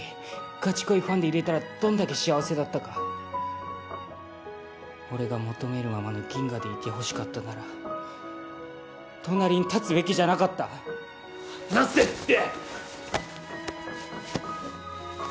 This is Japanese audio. ガチ恋ファンでいれたらどんだけ幸せだったか俺が求めるままのギンガでいてほしかったなら隣に立つべきじゃなかった離せって！